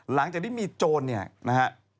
หลังจากที่มีโจรเนี่ยนะฮะ